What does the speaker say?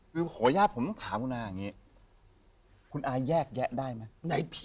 คือขออนุญาตผมต้องถามคุณอาอย่างนี้คุณอาแยกแยะได้ไหม